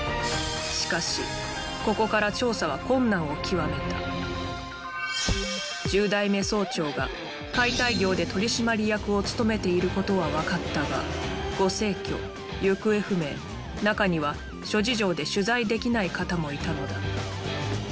しかしここから調査は困難を極めた１０代目総長が解体業で取締役を務めていることは分かったがご逝去行方不明中には諸事情で取材できない方もいたのだ